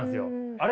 あれ？